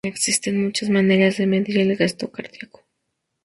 Existen muchas maneras de medir el gasto cardíaco.